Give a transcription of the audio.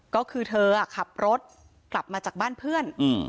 ก็คือเธอขับรถกลับมาจากบ้านเพื่อน